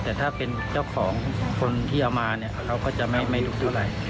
แต่ถ้าเป็นเจ้าของคนที่เอามาเนี่ยเขาก็จะไม่รู้เท่าไหร่